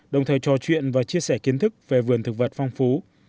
đồng thời trò chuyện và chia sẻ kiến thức về vườn thực vật phong phú